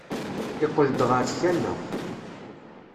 Yeqqel-d ɣer tkanna.